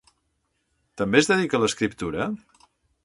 També es dedica a l'escriptura?